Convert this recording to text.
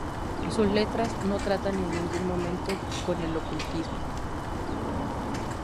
Sus letras no tratan en ningún momento con el ocultismo.